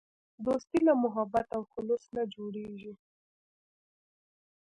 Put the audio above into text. دوستي له محبت او خلوص نه جوړیږي.